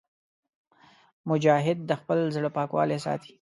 مجاهد د خپل زړه پاکوالی ساتي.